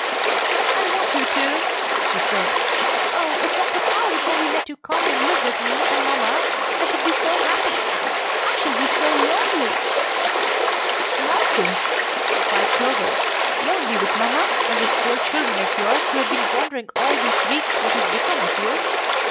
"I want you too," she said. "Oh, if Dr. Carr would only let you come and live with me and mamma, I should be so happy! I shall be so lone ly!" "Nonsense!" cried Clover. "Lonely with mamma, and those poor children of yours who have been wondering all these weeks what has become of you!